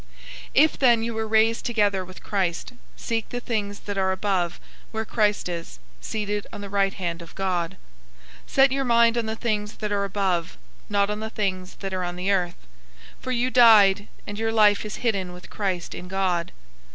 003:001 If then you were raised together with Christ, seek the things that are above, where Christ is, seated on the right hand of God. 003:002 Set your mind on the things that are above, not on the things that are on the earth. 003:003 For you died, and your life is hidden with Christ in God.